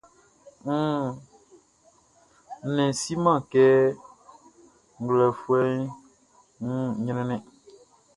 Nnɛnʼn siman kɛ ngwlɛlɛfuɛʼn wun ɲrɛnnɛn.